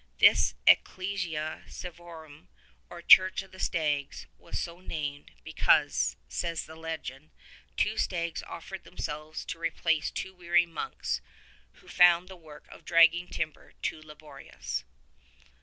This Ecclesia Cervontm, or Church of the Stags, was so named because, says the legend, two stags offered themselves to replace two weary monks who found the work of dragging timber too laborious.